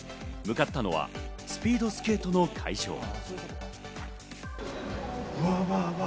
向かったのはスピードスケートの会場。